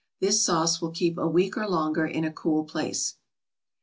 This sauce will keep a week or longer, in a cool place.